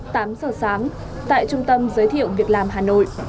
tám giờ sáng tại trung tâm giới thiệu việc làm hà nội